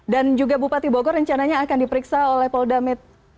dan juga bupati bogor rencananya akan diperiksa oleh pol damit